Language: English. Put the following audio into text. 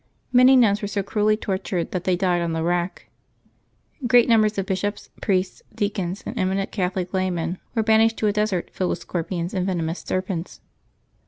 Many nuns were so cruelly tortured that they died on the rack. Great numbers of bishops, priests, deacons, and eminent Catholic laymen were banished to a desert filled with scorpions and venomous serpents.